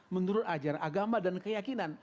menurut ajar agama dan keyakinan